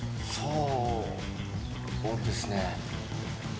そうですね。